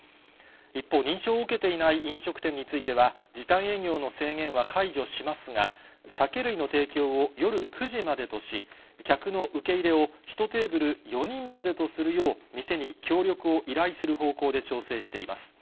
一方、認証を受けていない飲食店については、時短営業の制限は解除しますが、酒類の提供を夜９時までとし、客の受け入れを１テーブル４人までとするよう店に協力を依頼する方向で調整しています。